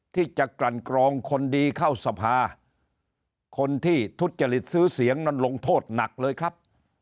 ที่จะกลั่นกรองคนดีเข้าสภาคนที่ทุจริตซื้อเสียงนั้นลงโทษหนักเลยครับ